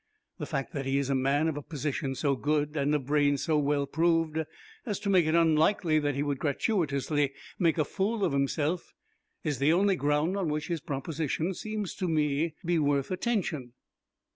The fact that he is a man of a position so good and of brains so well proved as to make it unlikely that he would gratuitously make a fool of himself is the only ground on which his proposition seems to me worth attention."